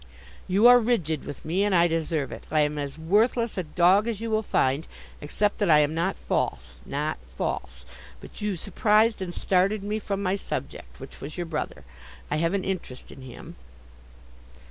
'You are rigid with me, and I deserve it. I am as worthless a dog as you will find, except that I am not false—not false. But you surprised and started me from my subject, which was your brother. I have an interest in him.